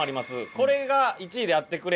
「これが１位であってくれ」